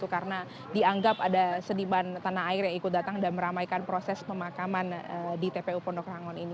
karena dianggap ada sediban tanah air yang ikut datang dan meramaikan proses pemakaman di tpu pondok rangon